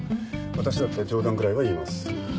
わたしだって冗談ぐらいは言います。